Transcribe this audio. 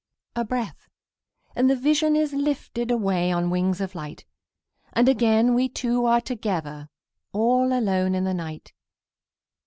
A breath, and the vision is lifted Away on wings of light, And again we two are together, All alone in the night.